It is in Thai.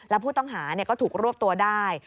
และผู้ต้องหาก็ถูกรวบตัวได้